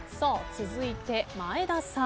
続いて井上さん。